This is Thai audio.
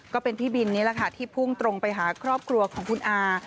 ก็เป็นพี่บินนี่แหละค่ะที่พุ่งตรงไปหาครอบครัวของคุณอา